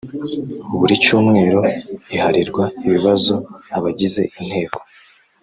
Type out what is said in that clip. Buri cyumweru iharirwa ibibazo abagize inteko